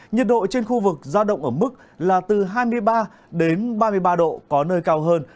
nhiệt độ trên khu vực giao động ở mức là từ hai mươi ba đến ba mươi ba độ có nơi cao hơn